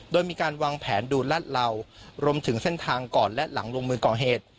โดยมีการวางแผนดูรัดเหล่ารวมถึงเส้นทางก่อนและหลังลงมือก่อเหตุ